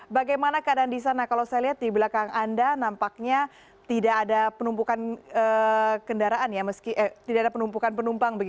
bagaimana keadaan di sana kalau saya lihat di belakang anda nampaknya tidak ada penumpukan penumpang